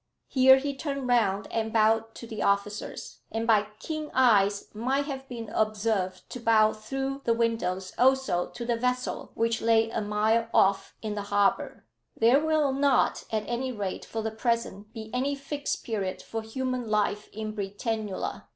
Here he turned round and bowed to the officers, and by keen eyes might have been observed to bow through the windows also to the vessel, which lay a mile off in the harbour. "There will not, at any rate for the present, be any Fixed Period for human life in Britannula.